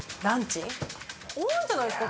多いんじゃないですか？